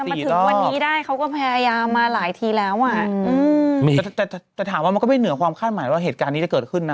มาถึงวันนี้ได้เขาก็พยายามมาหลายทีแล้วอ่ะอืมมีแต่ถามว่ามันก็ไม่เหนือความคาดหมายว่าเหตุการณ์นี้จะเกิดขึ้นนะ